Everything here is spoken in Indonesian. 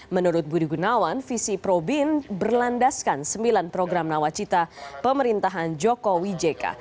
menurut budi gunawan visi pro bin berlandaskan sembilan program lawacita pemerintahan joko widjeka